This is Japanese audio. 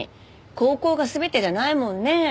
高校が全てじゃないもんね。